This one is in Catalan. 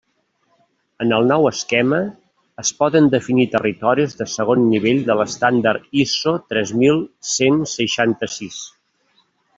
En el nou esquema es poden definir territoris de segon nivell de l'estàndard ISO tres mil cent seixanta-sis.